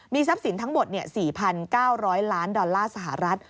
ทรัพย์สินทั้งหมด๔๙๐๐ล้านดอลลาร์สหรัฐ